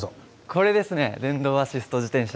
これですね電動アシスト自転車。